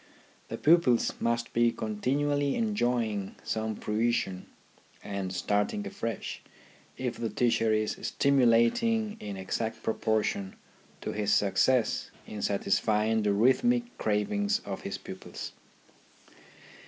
The pupils must be continually enjoy '' ing some fruition and starting afresh if the teacher is stimulating in exact proportion to his success in satisfying the rhythmic cravings of his pupils.